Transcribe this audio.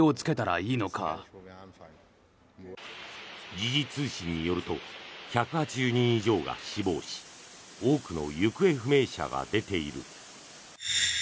時事通信によると１８０人以上が死亡し多くの行方不明者が出ている。